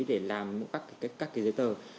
để làm các cái giấy tờ